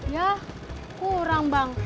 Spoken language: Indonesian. yah kurang bang